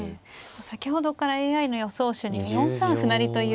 先ほどからＡＩの予想手に４三歩成という手が。